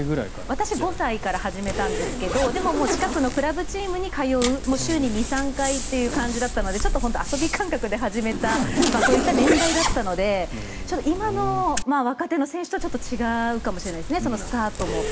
私は５歳から始めたんですけどでも、近くのクラブチームに通う週に２３回という感じだったので遊び感覚で始めたそういった年代だったので今の若手の選手とはちょっと違うかもしれないですねスタートも。